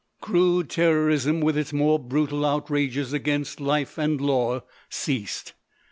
Crude terrorism with its more brutal outrages against life and law ceased.